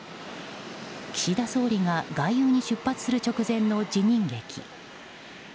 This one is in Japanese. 岸田総理が外遊に出発する直前の辞任劇。